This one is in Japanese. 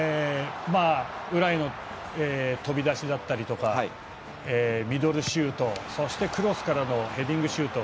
裏への飛び出しだったりミドルシュートそしてクロスからのヘディングシュート。